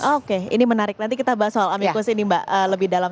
oke ini menarik nanti kita bahas soal amikus ini mbak lebih dalam